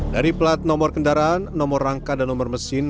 dari plat nomor kendaraan nomor rangka dan nomor mesin